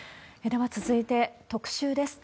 では続いて特集です。